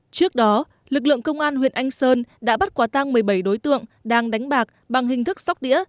trước đó lực lượng công an huyện anh sơn đã bắt quả tăng một mươi bảy đối tượng đang đánh bạc bằng hình thức sóc đĩa